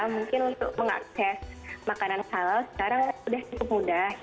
mungkin untuk mengakses makanan halal sekarang sudah cukup mudah